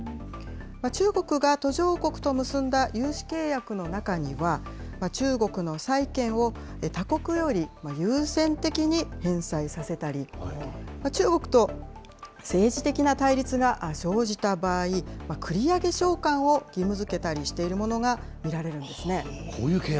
中国が途上国と結んだ融資契約の中には、中国の債権を、他国より優先的に返済させたり、中国と政治的な対立が生じた場合、繰り上げ償還を義務づけたりしているものが見られるんですね。